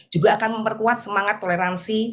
juga akan memperkuat semangat toleransi